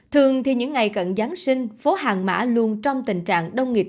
thường thì những ngày cận giáng sinh phố hàng má luôn trong tình trạng đông nghịch